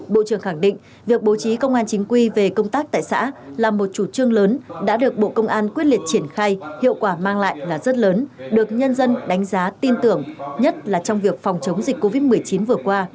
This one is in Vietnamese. bộ trưởng khẳng định việc bố trí công an chính quy về công tác tại xã là một chủ trương lớn đã được bộ công an quyết liệt triển khai hiệu quả mang lại là rất lớn được nhân dân đánh giá tin tưởng nhất là trong việc phòng chống dịch covid một mươi chín vừa qua